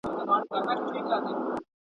هغه وویل چې په کلتور کې د هر چا برخه شته.